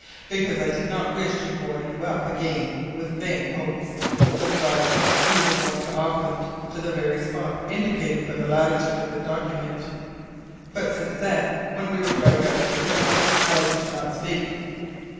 "Because I did not wish to buoy you up again with vain hopes. Besides, we were going to Auckland, to the very spot indicated by the latitude of the document." "But since then, when we were dragged out of the route, why did you not speak?"